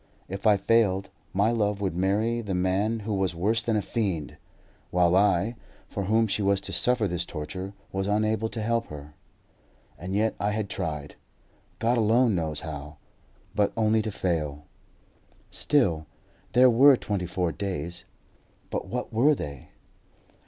If I failed, my love would marry the man who was worse than a fiend, while I, for whom she was to suffer this torture, was unable to help her. And yet I had tried, God alone knows how; but only to fail. Still, there were twenty four days; but what were they?